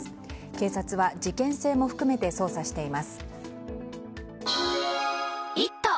警察は事件性も含めて捜査しています。